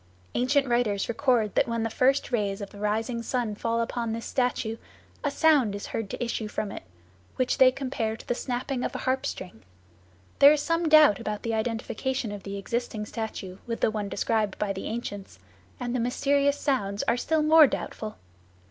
Ancient writers record that when the first rays of the rising sun fall upon this statue a sound is heard to issue from it, which they compare to the snapping of a harp string. There is some doubt about the identification of the existing statue with the one described by the ancients, and the mysterious sounds are still more doubtful.